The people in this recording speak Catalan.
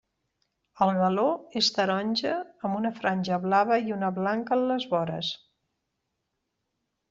El galó és taronja amb una franja blava i una blanca en les vores.